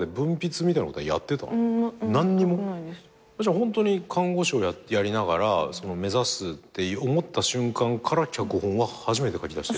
ホントに看護師をやりながら目指すって思った瞬間から脚本は初めて書きだして？